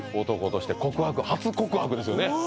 男として告白初告白ですよね